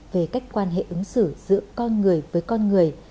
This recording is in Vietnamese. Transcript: về cách quan hệ ứng xử giữa con người với con người